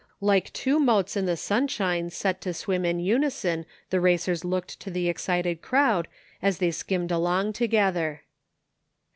Like two moats in the sunshine set to swim in unison the racers locJced to the excited crowd as they skimmed along together.